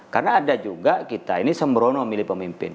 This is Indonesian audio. karena ada juga kita ini sembrono memilih pemimpin